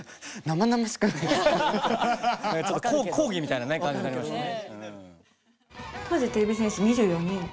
ちょっと講義みたいなね感じになりますよね。